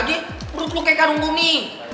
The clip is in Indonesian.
menurut lo kayak kanung bumi